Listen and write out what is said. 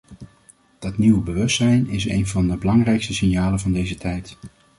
Dat nieuwe bewustzijn is een van de belangrijkste signalen van deze tijd.